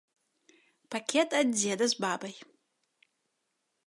Пакет ад дзеда з бабай.